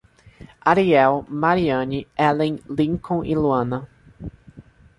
Ariel, Mariane, Helen, Lincon e Luana